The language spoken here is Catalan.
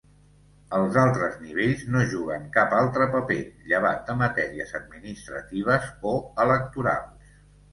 Els altres nivells no juguen cap altre paper, llevat de matèries administratives o electorals.